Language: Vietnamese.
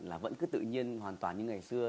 là vẫn cứ tự nhiên hoàn toàn như ngày xưa